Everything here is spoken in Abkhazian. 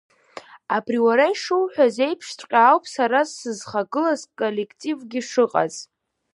Абри уара ишуҳәаз еиԥшҵәҟьа ауп сара сызхагылаз аколлективгьы шыҟаз.